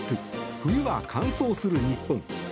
冬は乾燥する日本。